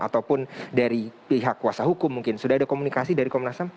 ataupun dari pihak kuasa hukum mungkin sudah ada komunikasi dari komnas ham